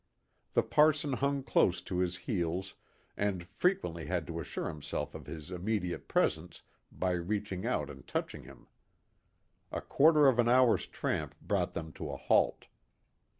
The parson hung close to his heels, and frequently had to assure himself of his immediate presence by reaching out and touching him. A quarter of an hour's tramp brought them to a halt.